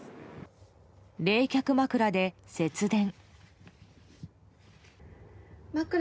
冷却枕で節電。